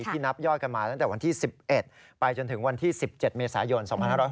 ที่นับยอดกันมาตั้งแต่วันที่๑๑ไปจนถึงวันที่๑๗เมษายน๒๕๖๐